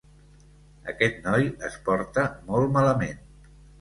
Aquest noi es porta molt malament.